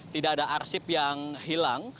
tidak ada arsip yang hilang